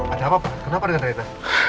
ada apa pak kenapa dengan reyna